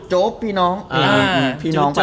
จู๊ดพี่น้อง